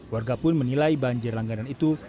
warga pun menilai banjir langganan itu